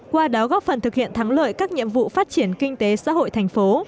qua đó góp phần thực hiện thắng lợi các nhiệm vụ phát triển kinh tế xã hội thành phố